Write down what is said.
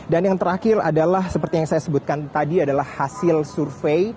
dan yang terakhir adalah seperti yang saya sebutkan tadi adalah hasil survei